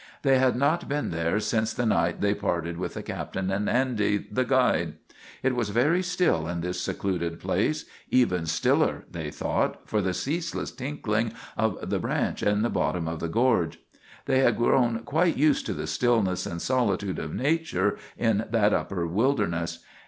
They had not been there since the night they parted with the captain and Andy, the guide. It was very still in this secluded place even stiller, they thought, for the ceaseless tinkling of the branch in the bottom of the gorge. They had grown quite used to the stillness and solitude of nature in that upper wilderness.